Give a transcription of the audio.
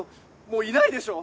もういないでしょ？